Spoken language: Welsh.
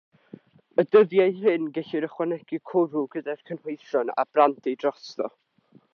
Y dyddiau hyn gellir ychwanegu cwrw gyda'r cynhwysion, a brandi drosto.